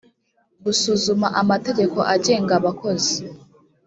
gusuzuma amategeko agenga abakozi